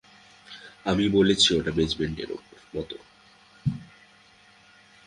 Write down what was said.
আমি বলেছি ওটা বেজমেন্টের মতো।